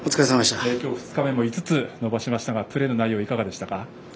今日、２日目も５つ伸ばしましたがプレーの内容はいかがでしたか？